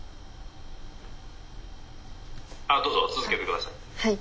「あっどうぞ続けて下さい」。